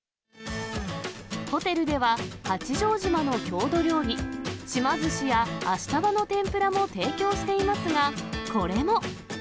ホテルでは、八丈島の郷土料理、島ずしや明日葉の天ぷらも提供していますが、これも。